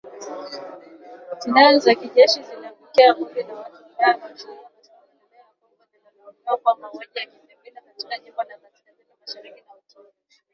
silaa za kijeshi ziliziangukia kundi la watu wabaya la Ushirika kwa Maendeleo ya Kongo linalaumiwa kwa mauaji ya kikabila katika jimbo la kaskazini-mashariki la Ituri.